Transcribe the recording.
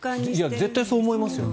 絶対そう思いますよね。